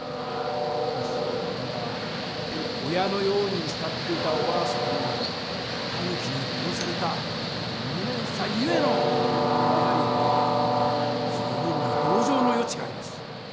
ただしこれは親のように慕っていたおばあさんをタヌキに殺された無念さゆえの犯行であり十分に同情の余地があります。